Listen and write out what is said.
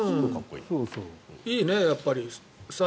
いいね、やっぱり。